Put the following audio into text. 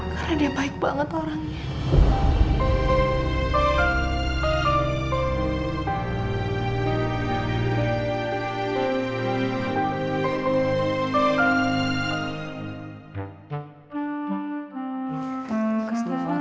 karena dia baik banget orangnya